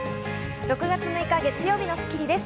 ６月６日、月曜日の『スッキリ』です。